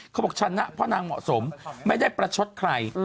เขาบอกชนะเพราะนางเหมาะสมไม่ได้ประชดใคร